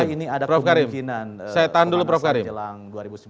apakah ini ada kemungkinan kemanusiaan jelang dua ribu lima belas